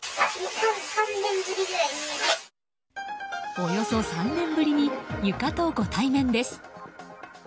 およそ３年ぶりに床とご対面です。